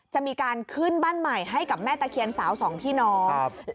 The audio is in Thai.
จะมีการขึ้นบ้านใหม่ให้กับแม่ตะเคียนสาวสองพี่น้อง